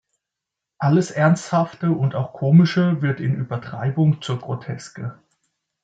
Alles Ernsthafte und auch Komische wird in Übertreibung zur Groteske.